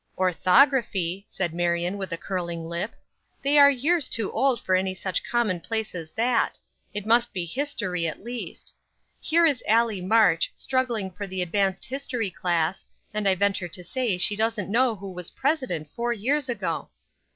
"Orthography!" said Marion, with a curling lip. "They are years too old for any such common place as that; it must be history, at least. Here is Allie March struggling for the advanced history class, and I venture to say she doesn't know who was President four years ago."